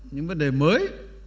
những vấn đề mới